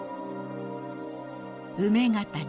梅ヶ谷。